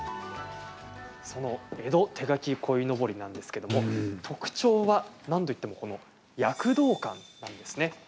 その江戸手描き鯉のぼりなんですけども特徴は、なんといってもこの躍動感なんですね。